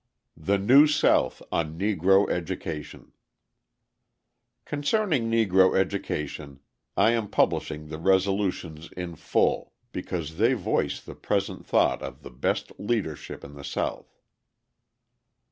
The New South on Negro Education Concerning Negro education, I am publishing the resolutions in full, because they voice the present thought of the best leadership in the South: 1.